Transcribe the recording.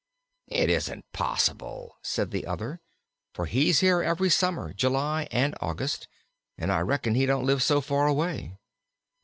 "It ain't possible," said the other, "for he's here every summer, July and August, an' I reckon he don't live so far away."